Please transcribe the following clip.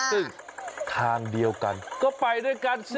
ซึ่งทางเดียวกันก็ไปด้วยกันสิ